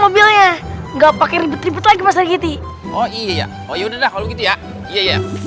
mobilnya enggak pakai ribet ribet lagi masa gitu oh iya oh ya udah kalau gitu ya iya